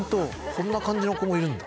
こんな感じの子もいるんだ。